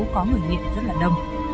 có người nghiện rất là đông